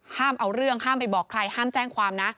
ห้ามเอาเรื่องห้ามไปบอกใครห้ามแจ้งความนะ